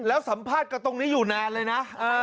แล้วสัมภาษณ์กับตรงนี้อยู่นานเลยนะ